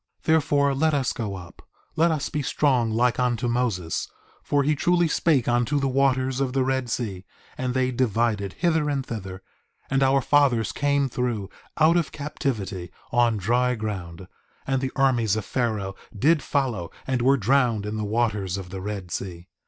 4:2 Therefore let us go up; let us be strong like unto Moses; for he truly spake unto the waters of the Red Sea and they divided hither and thither, and our fathers came through, out of captivity, on dry ground, and the armies of Pharaoh did follow and were drowned in the waters of the Red Sea.